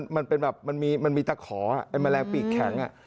มันเป็นแบบมันมีตะขอไอ้แมลงปีกแข็ง